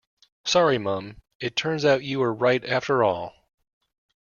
Sorry mum, it turns out you were right after all.